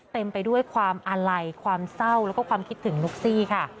เต็มไปด้วยความอาลัยความเศร้าแล้วก็ความคิดถึงนุ๊กซี่ค่ะ